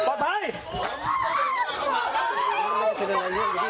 ก็คือตัวประกันที่สุขทุกเรียกสโมงได้